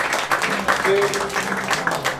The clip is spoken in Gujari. کہیو